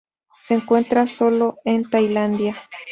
Se encuentra sólo en Tailandia.